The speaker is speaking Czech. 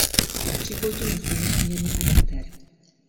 Připoj to na stejnosměrný adaptér.